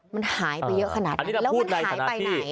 มันหายไปเยอะขนาดนั้นแล้วมันหายไปไหน